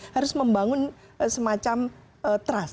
harus membangun semacam trust